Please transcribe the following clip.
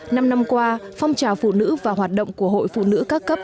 năm năm qua phong trào phụ nữ và hoạt động của hội phụ nữ các cấp